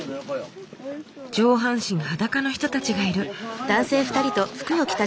上半身裸の人たちがいる。